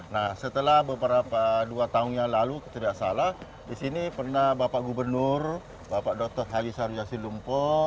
nah setelah beberapa dua tahun yang lalu tidak salah di sini pernah bapak gubernur bapak dr halisar yassin lumpuh